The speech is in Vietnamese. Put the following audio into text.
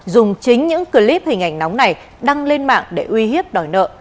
dùng chính những clip hình ảnh nóng này đăng lên mạng để uy hiếp đòi nợ